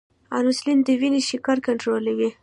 انسولین د وینې شکر کنټرولوي